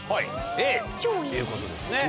Ａっていうことですね。